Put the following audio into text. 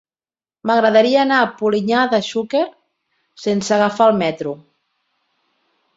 M'agradaria anar a Polinyà de Xúquer sense agafar el metro.